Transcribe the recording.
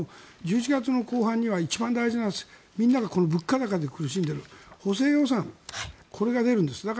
しかも１１月後半には一番大事なみんなが物価高で苦しんでいる補正予算、これが出るんです。